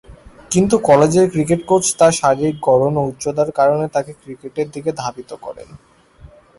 কিন্তু কলেজের cricket coach তার শারীরিক গড়ন ও উচ্চতার কারণে তাকে ক্রিকেটের দিকে ধাবিত করেন।